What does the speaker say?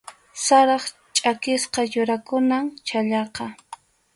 Sarap chʼakisqa yurakunam chhallaqa.